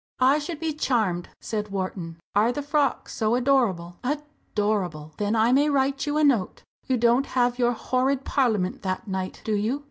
"I should be charmed," said Wharton. "Are the frocks so adorable?" "Adorable! Then I may write you a note? You don't have your horrid Parliament that night, do you?"